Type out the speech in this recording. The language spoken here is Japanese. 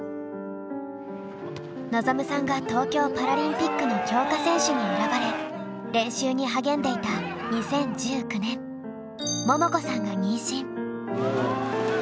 望さんが東京パラリンピックの強化選手に選ばれ練習に励んでいた２０１９年ももこさんが妊娠。